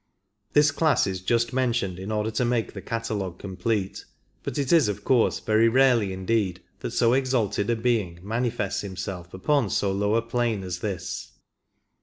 This class is just mentioned in order to make the catalogue complete, but it is of course very rarely indeed that so exalted a being manifests him self upon so low a plane as this.